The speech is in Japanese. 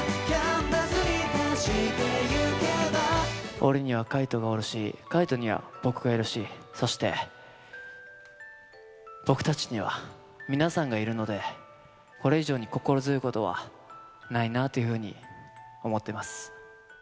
俺には海人がおるし、海人には僕がいるし、そして、僕たちには皆さんがいるので、これ以上に心強いことはないなというふうに思ってます。